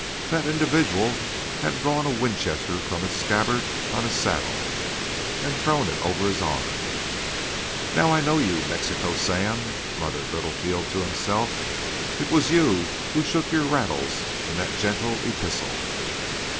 That individual had drawn a Winchester from its scabbard on his saddle and thrown it over his arm. "Now I know you, Mexico Sam!" muttered Littlefield to himself. "It was you who shook your rattles in that gentle epistle."